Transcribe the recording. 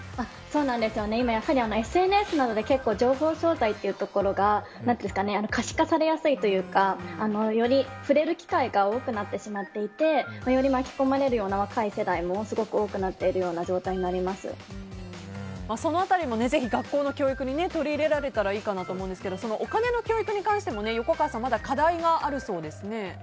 今、やはりＳＮＳなどで情報商材というところが可視化されやすいというかより触れる機会が多くなってしまっていてより巻き込まれるような若い世代もすごく多くなっているその辺りもぜひ学校の教育に取り入れられたらいいかなと思うんですがお金の教育に関しても横川さん、まだ課題があるそうですね。